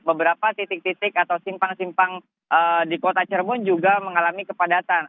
beberapa titik titik atau simpang simpang di kota cirebon juga mengalami kepadatan